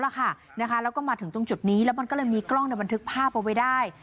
แล้วก็มาถึงตรงจุดนี้แล้วมันก็เลยมีกล้องในบันทึกภาพเอาไว้ได้